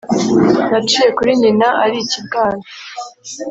naciye kuri nyina ari ikibwana